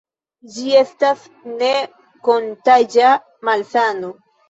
Ĝi estas ne-kontaĝa malsano.